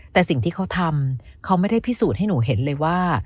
แต่สิ่งที่เขาทำเขาไม่ได้พิสูจน์ให้หนูเห็นเลยว่า